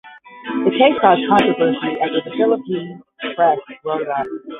The case caused controversy after the Philippine press wrote about it.